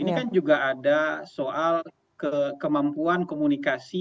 ini kan juga ada soal kemampuan komunikasi